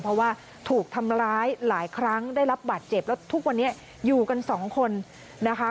เพราะว่าถูกทำร้ายหลายครั้งได้รับบาดเจ็บแล้วทุกวันนี้อยู่กันสองคนนะคะ